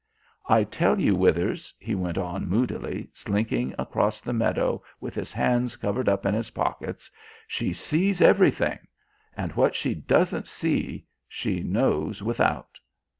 "I tell you, Withers," he went on moodily, slinking across the meadow with his hands covered up in his pockets, "she sees everything. And what she doesn't see she knows without."